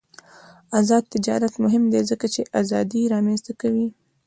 آزاد تجارت مهم دی ځکه چې ازادي رامنځته کوي.